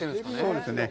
そうですね。